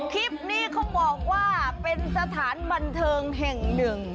คลิปนี้เขาบอกว่าเป็นสถานบันเทิงแห่งหนึ่ง